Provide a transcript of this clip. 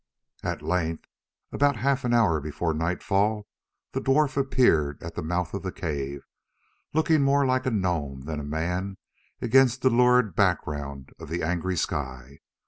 At length, about half an hour before nightfall, the dwarf appeared at the mouth of the cave, looking more like a gnome than a man against the lurid background of the angry sky.